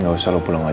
saudara juga big sonra